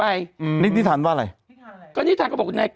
อันนี้เป็นนิธานไม่ใช่เรื่องจริง